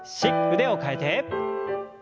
腕を替えて。